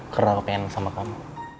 karena aku pengen sama kamu